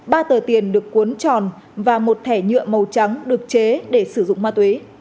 ba tờ tiền được cuốn tròn và một thẻ nhựa màu trắng được chế để sử dụng ma túy